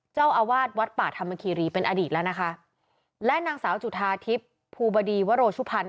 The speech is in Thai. เจ้าอาวาสวัดป่าธรรมคีรีเป็นอดีตแล้วนะคะและนางสาวจุธาทิพย์ภูบดีวโรชุพันธ์